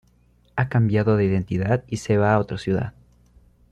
Ha cambiado de identidad y se va a otra ciudad.